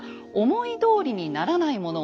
思いどおりにならないもの